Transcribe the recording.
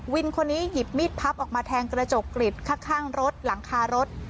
วินคนนี้หยิบมีดพับออกมาแทงกระจกกริดข้างรถหลังคารถ